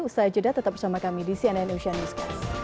ustaz yeda tetap bersama kami di cnn newscast